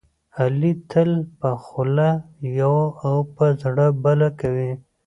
علي تل په خوله یوه او په زړه بله کوي.